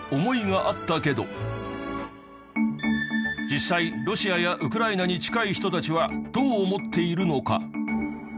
実際ロシアやウクライナに近い人たちはどう思っているのか？